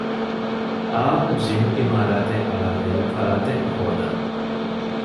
އައު ޖިމް އިމާރާތެއް އަޅައިދޭނޭ ފަރާތެއް ހޯދަން